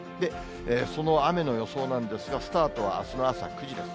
その雨の予想なんですが、スタートはあすの朝９時です。